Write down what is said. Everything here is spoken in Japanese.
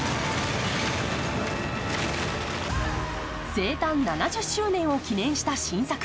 生誕７０周年を記念した新作。